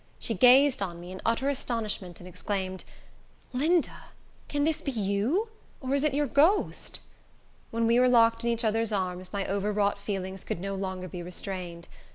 She gazed on me in utter astonishment, and exclaimed, "Linda, can this be you? or is it your ghost?" When we were locked in each other's arms, my overwrought feelings could no longer be restrained.